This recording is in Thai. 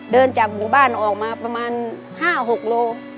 เดินจากหมู่บ้านออกมาประมาณ๕๖โล